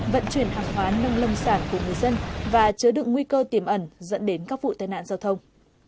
vận chuyển hàng hóa nông lâm sản của người dân và chứa đựng nguy cơ tiềm ẩn dẫn đến các vụ tai nạn giao thông